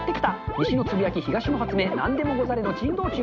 西のつぶやき、東の発明、なんでもござれの珍道中。